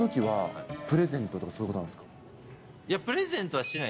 はい。